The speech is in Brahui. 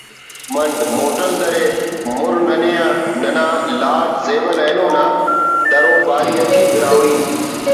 منڈ موٹل درے مُر ننے آن ننا لاڈ زیبل اینو نا درو باری ٹی براہوئی